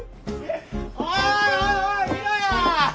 おいおいおい見ろよ！